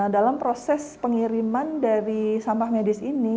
dalam proses pengiriman dari sampah medis ini